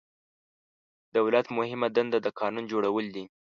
دولت مهمه دنده د قانون جوړول دي.